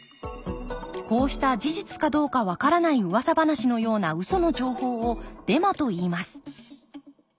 こうした事実かどうかわからないうわさ話のようなウソの情報をデマといいます。